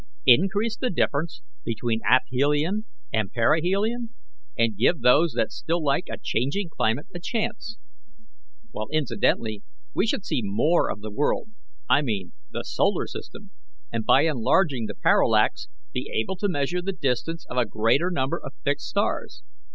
increase the difference between aphelion and perihelion, and give those that still like a changing climate a chance, while incidentally we should see more of the world I mean the solar system and, by enlarging the parallax, be able to measure the distance of a greater number of fixed stars.